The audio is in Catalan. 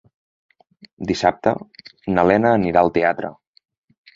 Dissabte na Lena anirà al teatre.